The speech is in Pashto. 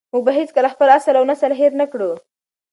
موږ به هېڅکله خپل اصل او نسل هېر نه کړو.